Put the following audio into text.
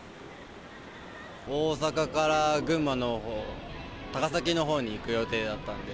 大阪から群馬のほう、高崎のほうに行く予定だったので。